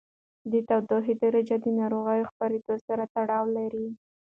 د تودوخې درجې د ناروغۍ خپرېدو سره تړاو لري.